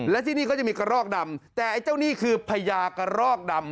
และที่นี่เขาจะมีกระรอกดำแต่ไอ้เจ้านี่คือพญากระรอกดำ